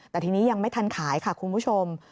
แต่ทีนี้ยังไม่ทันขายค่ะคุณผู้ชม